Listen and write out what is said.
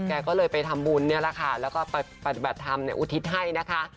แกก็เลยไปทำบุญเนี่ยแหละค่ะแล้วก็ไปปฏิบัติธรรมในอุทิศให้นะคะ